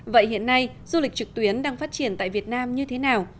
vậy hiện nay du lịch trực tuyến đang phát triển tại việt nam như thế nào